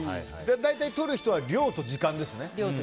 大体、とる人は量と時間ですね。